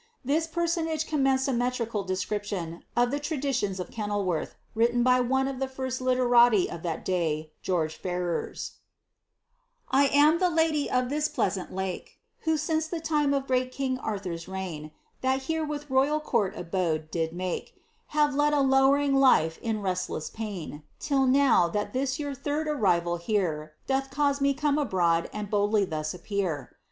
This personage commenced a OMtrical description of the traditions of Kenilworth, written by one of the first literati of that day, George Ferrers >^■ I am the lady of this pleasant lake, Who since the time of great king Arthur^s reign, That here with royal court abode did make, Have led a lowering life in restless pain. Till now that this your third arrival here. Doth cause me come abroad and boldly thus appear.